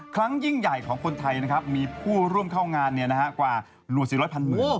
ครั้งยิ่งใหญ่ของคนไทยนะครับมีผู้ร่วมเข้างานกว่าหวด๔๐๐พันหมื่น